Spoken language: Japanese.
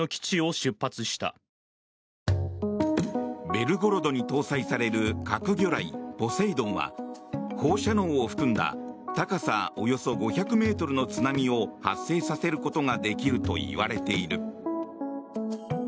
「ベルゴロド」に搭載される核魚雷、ポセイドンは放射能を含んだ高さおよそ５００ｍの津波を発生させることができるといわれている。